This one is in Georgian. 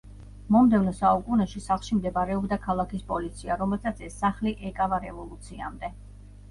მომდევნო საუკუნეში სახლში მდებარეობდა ქალაქის პოლიცია, რომელსაც ეს სახლი ეკავა რევოლუციამდე.